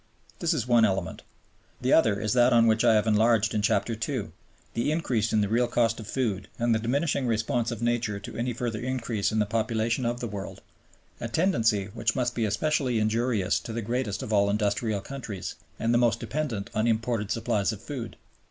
This is one element. The other is that on which I have enlarged in Chapter II.; the increase in the real cost of food and the diminishing response of nature to any further increase in the population of the world, a tendency which must be especially injurious to the greatest of all industrial countries and the most dependent on imported supplies of food.